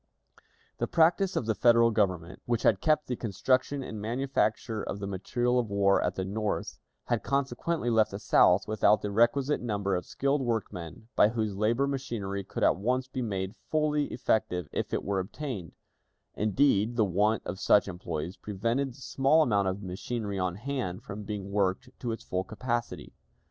The practice of the Federal Government, which had kept the construction and manufacture of the material of war at the North, had consequently left the South without the requisite number of skilled workmen by whose labor machinery could at once be made fully effective if it were obtained; indeed, the want of such employees prevented the small amount of machinery on hand from being worked to its full capacity.